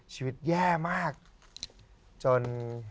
ชีวิตแย่มากจน